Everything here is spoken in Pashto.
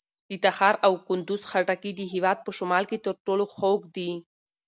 د تخار او کندوز خټکي د هېواد په شمال کې تر ټولو خوږ دي.